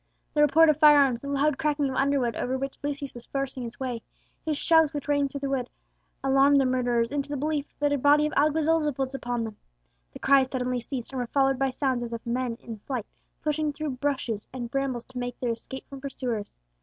The report of fire arms, the loud crackling of underwood over which Lucius was forcing his way, his shouts which rang through the wood, alarmed the murderers into the belief that a body of alguazils was upon them. The cries suddenly ceased, and were followed by sounds as of men in flight, pushing through bushes and brambles to make their escape from pursuers.